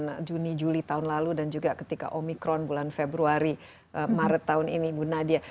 ketika delta pada bulan juni juli tahun lalu dan juga ketika omikron bulan februari maret tahun ini ibu nadia